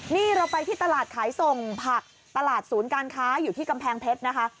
นี่เราไปที่ตลาดขายส่งผักตลาดศูนย์การค้าอยู่ที่กำแพงเพชรนะคะ